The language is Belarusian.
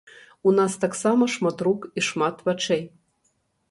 У нас таксама шмат рук і шмат вачэй.